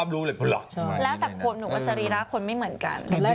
แล้วแต่สรีระคนไม่เหมือนกัน